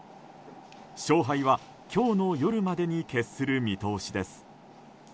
勝敗は今日の夜までに決する見通しです。